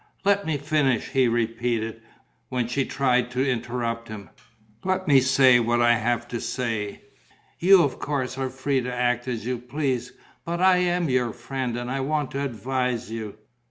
"Let me finish," he repeated, when she tried to interrupt him. "Let me say what I have to say. You of course are free to act as you please. But I am your friend and I want to advise you.